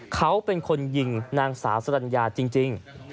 เขาเป็นคนยิงนางสาวสรรญาจริง